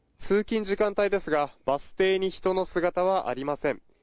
通勤時間帯ですがバス停に人の姿はありません